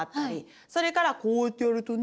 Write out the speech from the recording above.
それからこうやってやるとね